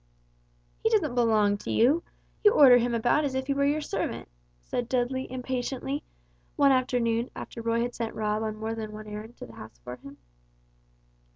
"He doesn't belong to you. You order him about as if he were your servant," said Dudley, impatiently, one afternoon after Roy had sent Rob on more than one errand to the house for him.